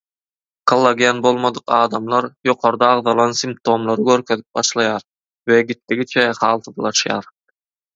Kollagen bolmadyk adamlar ýokarda agzalan symptomlary görkezip başlaýar we gitdikçe halsyzlaşýar.